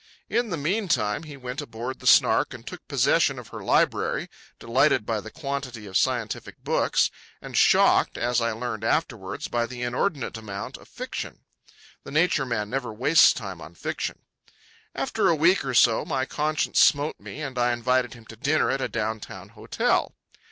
In the meantime he went aboard the Snark and took possession of her library, delighted by the quantity of scientific books, and shocked, as I learned afterwards, by the inordinate amount of fiction. The Nature Man never wastes time on fiction. After a week or so, my conscience smote me, and I invited him to dinner at a downtown hotel.